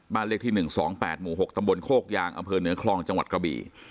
เลขที่๑๒๘หมู่๖ตำบลโคกยางอำเภอเหนือคลองจังหวัดกระบี่